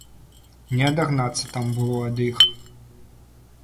Не адагнацца там было ад іх!